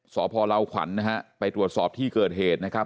สพลาวขวัญนะฮะไปตรวจสอบที่เกิดเหตุนะครับ